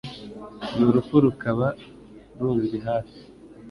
n’urupfu rukaba rundi hafi